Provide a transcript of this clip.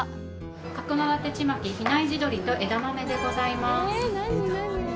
角館ちまき比内地鶏と枝豆でございます。